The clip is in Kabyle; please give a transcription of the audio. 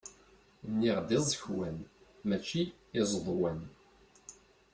Nniɣ-d iẓekwan, mačči izeḍwan!